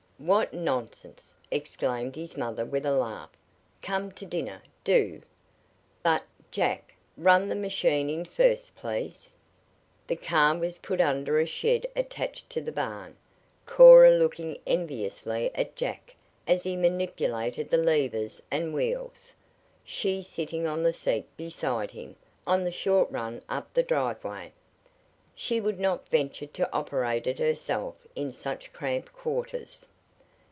"What nonsense!" exclaimed his mother with a laugh. "Come to dinner, do. But, Jack, run the machine in first, please." The car was put under a shed attached to the barn, Cora looking enviously at Jack as he manipulated the levers and wheels, she sitting on the seat beside him, on the short run up the driveway. She would not venture to operate it herself in such cramped quarters.